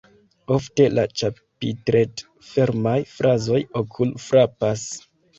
Ofte la ĉapitret-fermaj frazoj okul-frapas.